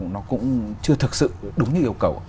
nó cũng chưa thực sự đúng như yêu cầu